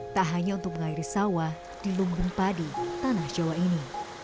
tak hanya untuk mengairi sawah di lumbung padi tanah jawa ini